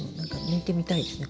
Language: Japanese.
抜いてみたいです。